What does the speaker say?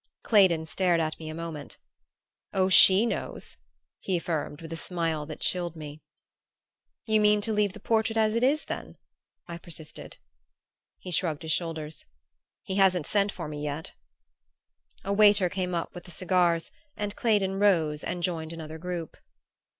Claydon stared at me a moment. "Oh, she knows," he affirmed with a smile that chilled me. "You mean to leave the portrait as it is then?" I persisted. He shrugged his shoulders. "He hasn't sent for me yet!" A waiter came up with the cigars and Claydon rose and joined another group.